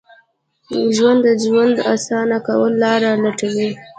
ژوندي د ژوند اسانه کولو لارې لټوي